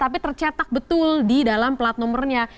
tapi tercetak betul di dalam plat nomornya